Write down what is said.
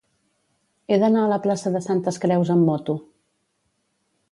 He d'anar a la plaça de Santes Creus amb moto.